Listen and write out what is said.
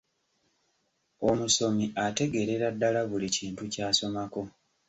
Omusomi ategeerera ddala buli kintu ky’asomako.